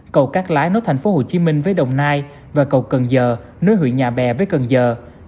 cầu cát lái nối thành phố hồ chí minh với đồng nai và cầu cần giờ nối huyện nhà bè với cần giờ